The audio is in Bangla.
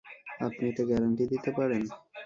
আপনি এটা গ্যারান্টি দিতে পারেন?